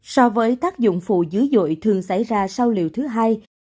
so với tác dụng phụ dữ dội thường xảy ra sau liệu thứ hai